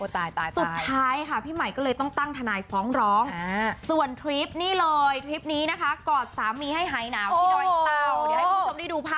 ถึงว่าจะแต่งงานไปแล้วคุณดู